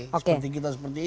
seperti kita seperti ini